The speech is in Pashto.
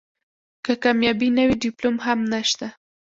که کامیابي نه وي ډیپلوم هم نشته .